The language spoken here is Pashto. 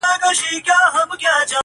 شپې د ځوانۍ لکه شېبې د وصل وځلېدې٫